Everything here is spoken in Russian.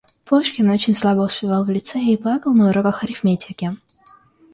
Пушкин очень слабо успевал в Лицее и плакал на уроках арифметики.